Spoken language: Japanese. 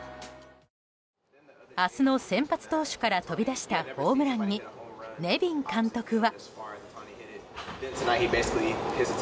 明日の先発投手から飛び出したホームランにネビン監督は。